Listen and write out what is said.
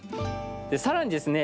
さらにですね